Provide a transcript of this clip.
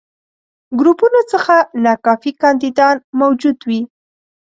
ګروپونو څخه ناکافي کانديدان موجود وي.